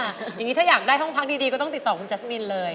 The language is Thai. อย่างนี้ถ้าอยากได้ห้องพักดีก็ต้องติดต่อคุณแจ๊สมินเลย